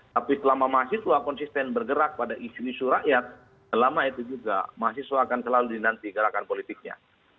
tapi selama mahasiswa konsisten bergerak pada isu isu rakyat selama itu juga mahasiswa akan selalu dinanti gerakan politiknya